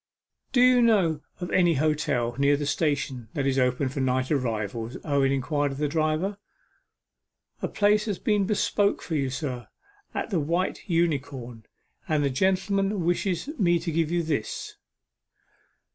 'Do you know of any hotel near the station that is open for night arrivals?' Owen inquired of the driver. 'A place has been bespoke for you, sir, at the White Unicorn and the gentleman wished me to give you this.